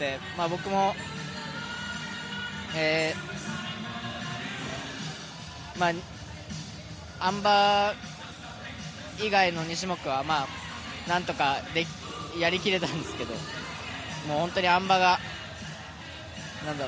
僕も、あん馬以外の２種目は何とかやり切れたんですけど本当にあん馬が。